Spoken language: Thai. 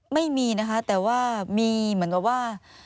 ไม่มีนะคะแต่ว่ามีเหมือนกับว่า